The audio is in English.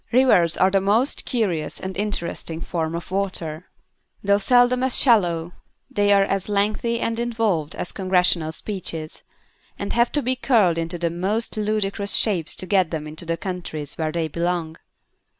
Rivers are the most curious and interesting form of Water. Though seldom as shallow, they are as lengthy and involved as Congressional speeches, and have to be curled into the most ludicrous shapes to get them into the countries where they belong.